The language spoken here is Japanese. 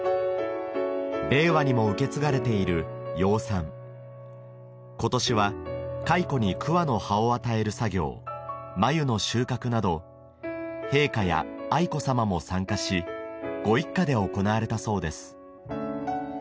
令和にも受け継がれている養蚕今年は蚕にクワの葉を与える作業繭の収穫など陛下や愛子さまも参加しご一家で行われたそうです